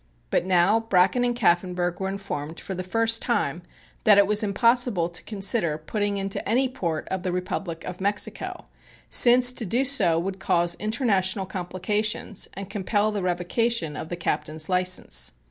But now Bracken and Kaffenburgh were informed for the first time that it was impossible to consider putting into any port of the Republic of Mexico, since to do so would cause international complications and compel the revocation of the captain's license.